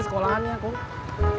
dengan atau tanpa bantuan siapapun